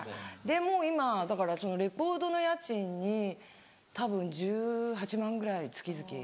もう今だからレコードの家賃にたぶん１８万円ぐらい月々。